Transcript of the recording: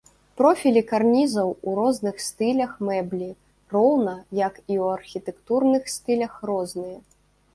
Профілі карнізаў у розных стылях мэблі, роўна, як і ў архітэктурных стылях, розныя.